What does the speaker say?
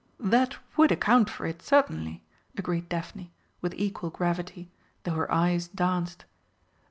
"That would account for it, certainly," agreed Daphne, with equal gravity, though her eyes danced.